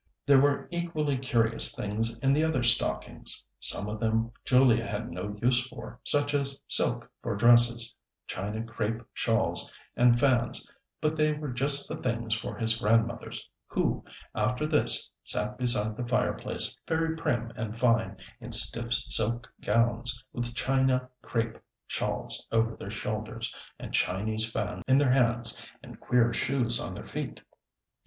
There were equally curious things in the other stockings. Some of them Julia had no use for, such as silk for dresses, China crape shawls and fans, but they were just the things for his Grandmothers, who, after this, sat beside the fireplace, very prim and fine, in stiff silk gowns, with China crape shawls over their shoulders, and Chinese fans in their hands, and queer shoes on their feet.